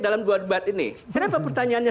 dalam dua debat ini kenapa pertanyaannya